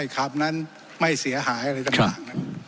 ครับชื่อหน้าครับ